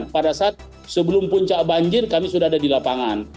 pada saat sebelum puncak banjir kami sudah ada di lapangan